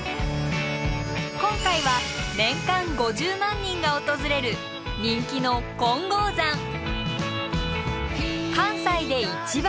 今回は年間５０万人が訪れる人気の関西で一番！